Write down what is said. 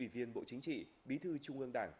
viên bộ chính trị bí thư trung ương đảng